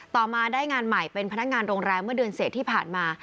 ต่อมาได้งานใหม่เป็นพนักงานโรงแรมเมื่อเดือนเสร็จที่ผ่านมา